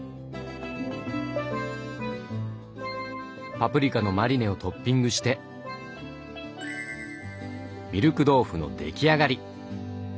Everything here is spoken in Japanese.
パプリカのマリネをトッピングしてミルク豆腐の出来上がり。